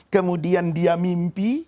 kemudian dia mimpi